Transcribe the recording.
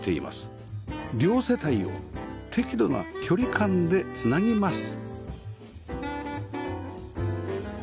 両世帯を適度な距離感で繋ぎます